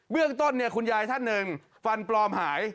เรื่องต้นคุณยายท่านหนึ่งฟันปลอมหาย